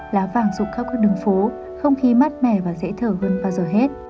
lá vàng rục khắp các đường phố không khí mát mẻ và dễ thở hơn bao giờ hết